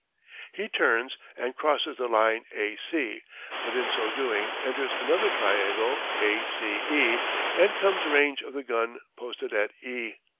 He turns and crosses the line A C, but in so doing enters another triangle A C E, and comes range of the gun posted at E.